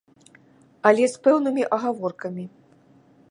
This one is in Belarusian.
Але з пэўнымі агаворкамі.